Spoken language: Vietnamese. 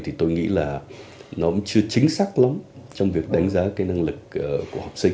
thì tôi nghĩ là nó cũng chưa chính xác lắm trong việc đánh giá cái năng lực của học sinh